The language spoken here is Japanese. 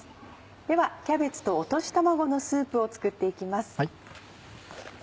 では「キャベツと落とし卵のスープ」を作っていきます。